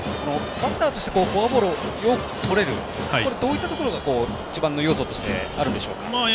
バッターとしてフォアボールをよくとれるこれはどういったところが一番の要素としてあるんでしょうか？